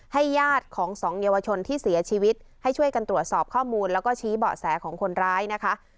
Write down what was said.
ญาติของสองเยาวชนที่เสียชีวิตให้ช่วยกันตรวจสอบข้อมูลแล้วก็ชี้เบาะแสของคนร้ายนะคะ